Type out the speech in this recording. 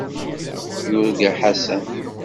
Yurga Ḥasan.